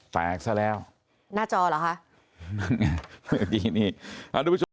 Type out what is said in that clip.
แปลกซะแล้วหน้าจอเหรอคะ